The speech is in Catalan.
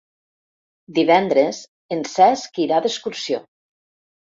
Divendres en Cesc irà d'excursió.